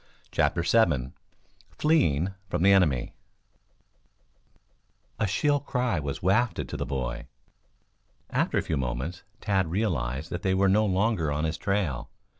CHAPTER VII FLEEING FROM THE ENEMY A shrill cry was wafted to the boy. After a few moments Tad realized that they were no longer on his trail.